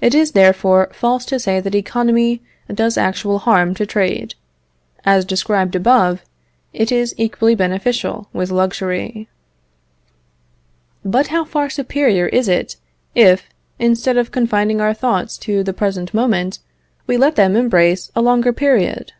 It is, therefore, false to say that economy does actual harm to trade; as described above, it is equally beneficial with luxury. But how far superior is it, if, instead of confining our thoughts to the present moment, we let them embrace a longer period!